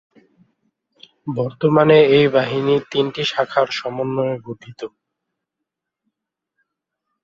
বর্তমানে এই বাহিনী তিনটি শাখার সমন্বয়ে গঠিত।